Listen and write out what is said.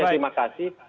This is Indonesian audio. jadi terima kasih